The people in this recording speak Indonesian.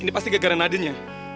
ini pasti gara gara nadine ya